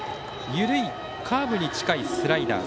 緩いカーブに近いスライダー。